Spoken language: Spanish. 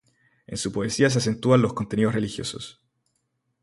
En su poesía se acentúan los contenidos religiosos.